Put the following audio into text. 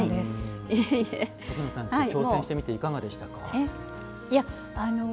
奥野さん、挑戦してみていかがでしたか？